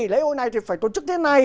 lễ hội này thì phải tổ chức thế này